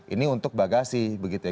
ini untuk bagasi begitu ya